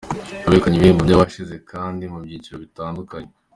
Abegukanye ibihembo by’abahize abandi mu byiciro bitandukanye: .